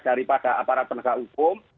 daripada aparat penegak hukum